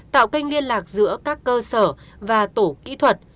tạo kênh liên lạc giữa các cơ sở và tổ kỹ thuật